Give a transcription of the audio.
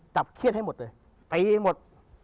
จับเขียนให้หมดเลยตีมาหมด